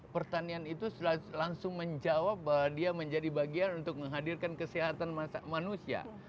pertanian itu langsung menjawab bahwa dia menjadi bagian untuk menghadirkan kesehatan manusia